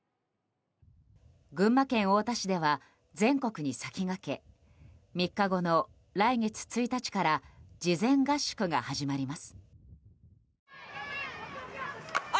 群馬県太田市では全国に先駆け３日後の来月１日から事前合宿が始まります。